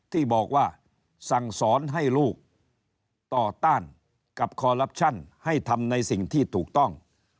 ที่บอกว่าสั่งสอนให้ลูกต่อต้านกับคอลลับชั่นให้ทำในสิ่งที่ถูกต้อง